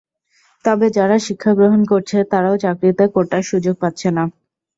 তবে যারা শিক্ষা গ্রহণ করছে, তারাও চাকরিতে কোটার সুযোগ পাচ্ছে না।